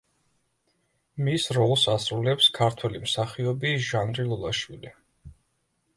მის როლს ასრულებს ქართველი მსახიობი ჟანრი ლოლაშვილი.